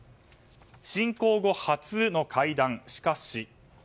侵攻後初の会談しかし。